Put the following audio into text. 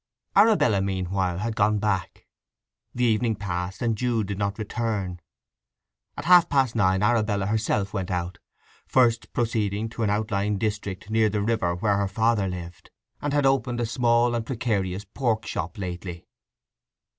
Arabella, meanwhile, had gone back. The evening passed, and Jude did not return. At half past nine Arabella herself went out, first proceeding to an outlying district near the river where her father lived, and had opened a small and precarious pork shop lately.